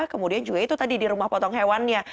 kemudian juga itu tadi di rumah potong hewannya